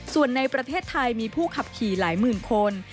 ส่วนในประเทศไทยมีผู้ขับขี่หลายหมื่นคน